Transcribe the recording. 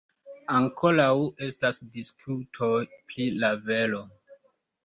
Ankoraŭ estas diskutoj pri la vero.